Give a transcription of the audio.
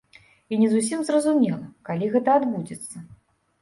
І не зусім зразумела, калі гэта адбудзецца.